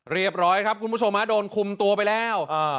เรียบร้อยครับคุณผู้ชมโดนคุมตัวไปแล้ว